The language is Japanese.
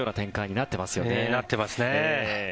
なってますね。